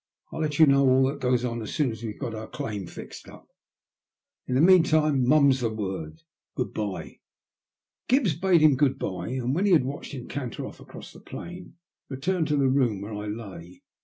I'll let you know all that goes on as soon as we've got our claim fixed up. In the meantime, mum's the word. Good bye." Gibbs bade him good bye, and when he had watched him canter off across the plain returned to the room where I lay.